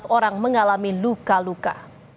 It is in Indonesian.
tiga belas orang mengalami luka luka